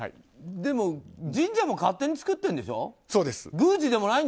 でも、神社も勝手に作っているんでしょう。